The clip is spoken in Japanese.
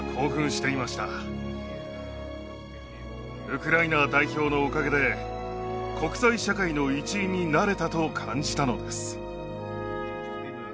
ウクライナ代表のおかげで国際社会の一員になれたと感じたのです。